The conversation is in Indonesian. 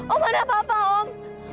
om ada apa apa om